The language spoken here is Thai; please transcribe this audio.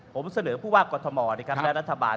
ผมเสนอผู้ว่ากกรุงธรรมน์และรัฐบาล